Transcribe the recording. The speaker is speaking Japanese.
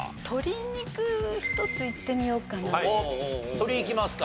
鶏いきますか。